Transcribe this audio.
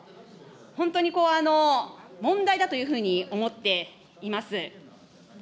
本当に問題だというふうに思っています。